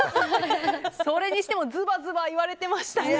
それにしてもズバズバ言われてましたね。